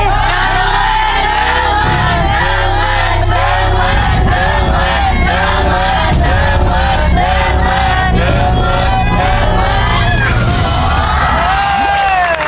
๑วัน